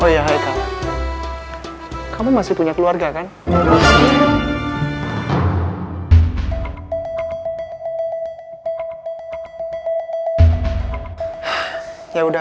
ya gue sih pengennya pulang